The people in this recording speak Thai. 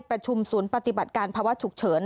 ประชุมศูนย์ปฏิบัติการภาวะฉุกเฉิน